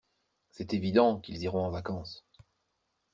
C'est évident qu'ils iront en vacances.